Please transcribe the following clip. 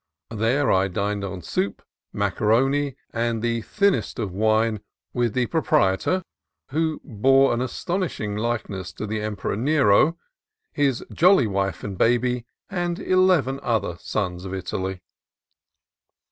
Here I dined on soup, macaroni, and the thinnest of wine with the proprietor (who bore an astonish ing likeness to the Emperor Nero), his jolly wife and baby, and eleven other sons of Italy.